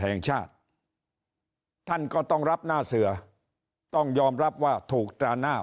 แห่งชาติท่านก็ต้องรับหน้าเสือต้องยอมรับว่าถูกตราหน้า